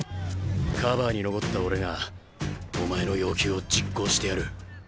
カバーに残った俺がお前の要求を実行してやる。